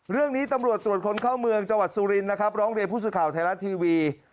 เรื่องนี้ตำรวจตรวจคนเข้าเมืองจังหวัดสุรินนะครับร้องเรียนผู้สื่อข่าวไทยรัฐทีวี